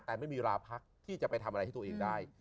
แต่ไม่มีราพักที่จะไปทำอะไรให้ตัวเองได้